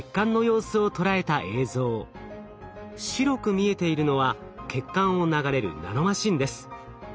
白く見えているのは血管を流れるナノマシンです。